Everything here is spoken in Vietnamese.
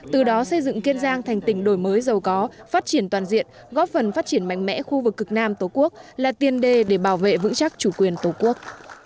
từ đó xây dựng kiên giang thành tỉnh đổi mới giàu có phát triển toàn diện góp phần phát triển mạnh mẽ khu vực cực nam tổ quốc là tiền đề để bảo vệ vững chắc chủ quyền tổ quốc